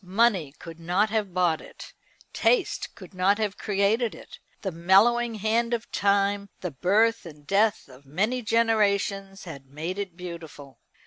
Money could not have bought it. Taste could not have created it. The mellowing hand of time, the birth and death of many generations, had made it beautiful.